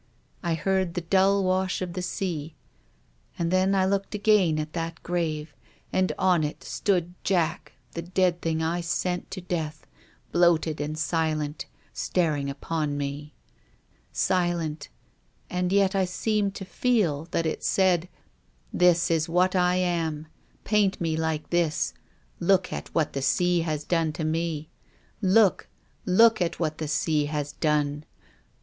I heard the dull wash of the sea. And then I looked again at that grave, and on it stood Jack, the dead thing I sent to death, bloated and silent, staring upon me. Silent — and yet I seemed to feel that it said, ' This is what I am. Paint mc like this. Look at what the sea has done to me ! Look — look at what the sea has done